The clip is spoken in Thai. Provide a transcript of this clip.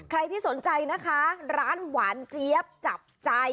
ใครที่สนใจนะคะร้านหวานเจี๊ยบจับใจ